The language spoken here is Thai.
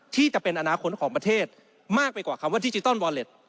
จะเป็นอนาคตของประเทศมากไปกว่าคำว่าดิจิตอลวอเล็ต